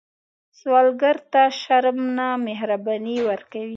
سوالګر ته شرم نه، مهرباني ورکوئ